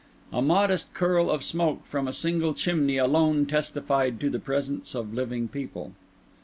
A modest curl of smoke from a single chimney alone testified to the presence of living people.